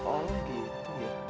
oh gitu ya